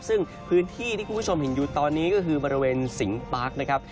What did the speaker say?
ซึ่งพื้นที่ที่คุณผู้ชมเห็นอยู่ตอนนี้ก็คือบริเวณสิงปาร์คนะครับ